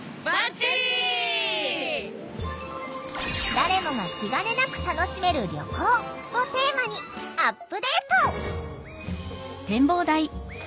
「誰もが気がねなく楽しめる旅行」をテーマにアップデート！